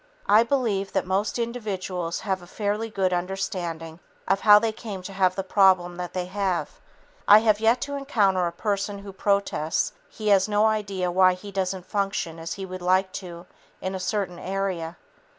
I believe that most individuals have a fairly good understanding of how they came to have the problem that they have. I have yet to encounter the person who protests he has no idea why he doesn't function as he would like to in a certain area.